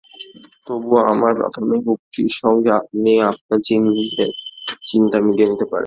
তবু আমার প্রাথমিক উক্তির সঙ্গে আপনি আপনার নিজের চিন্তা মিলিয়ে নিতে পারেন।